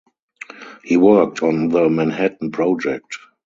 He worked on the Manhattan Project.